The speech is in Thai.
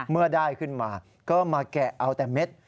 เมื่อได้ขึ้นมาก็มาแกะเอาแต่เม็ด